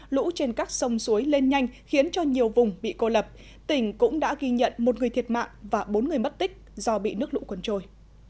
lũ trên các sông suối lên nhanh khiến cho nhiều vùng bị cô lập tỉnh cũng đã ghi nhận một người thiệt mạng và bốn người mất tích do bị nước lũ cuốn trôi